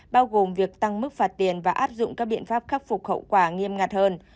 bao gồm việc tăng mức phạt tiền và áp dụng các biện pháp khắc phục khẩu quả nghiêm ngặt hơn